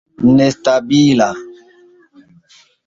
nestabila